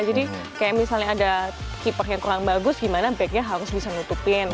jadi kayak misalnya ada keeper yang kurang bagus gimana bagiannya harus bisa nutupin